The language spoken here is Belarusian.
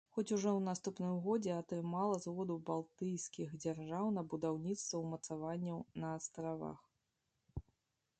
Хоць, ужо ў наступным годзе атрымала згоду балтыйскіх дзяржаў на будаўніцтва ўмацаванняў на астравах.